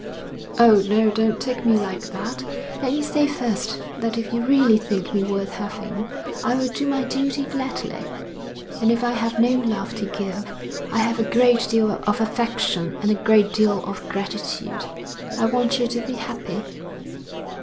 'Oh, no, don't take me like that. Let me say first that if you really think me worth having, I will do my duty gladly. And if I have no love to give, I have a great deal of affection and a great deal of gratitude. I want you to be happy.'